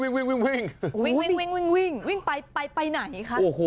วิ่งวิ่งไปไปไหนครับ